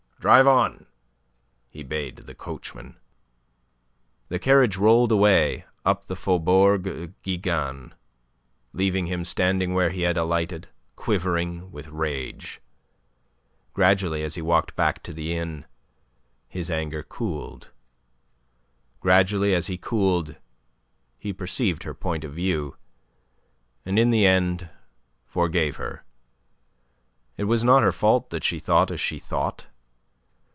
"Drive on," he bade the coachman. The carriage rolled away up the Faubourg Gigan, leaving him standing where he had alighted, quivering with rage. Gradually, as he walked back to the inn, his anger cooled. Gradually, as he cooled, he perceived her point of view, and in the end forgave her. It was not her fault that she thought as she thought.